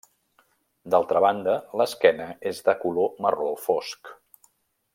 D'altra banda, l'esquena és de color marró fosc.